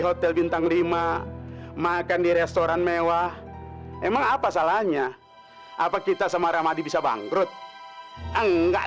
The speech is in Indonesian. hotel bintang lima makan di restoran mewah emang apa salahnya apa kita sama ramadi bisa bangkrut enggak